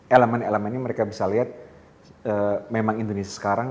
elemen elemennya mereka bisa lihat memang indonesia sekarang